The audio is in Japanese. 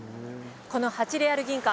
この８レアル銀貨